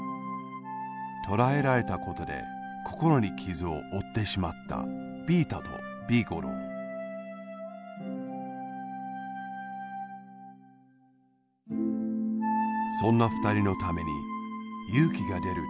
とらえられたことでこころにきずをおってしまったビータとビーゴローそんなふたりのためにゆうきがでる